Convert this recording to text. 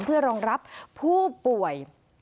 เพื่อรองรับผู้ป่วย